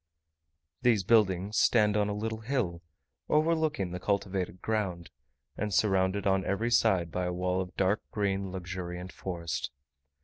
These buildings stand on a little hill, overlooking the cultivated ground, and surrounded on every side by a wall of dark green luxuriant forest.